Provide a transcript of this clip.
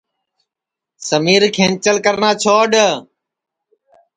سمیر کھنٚچل کرنا چھوڈؔ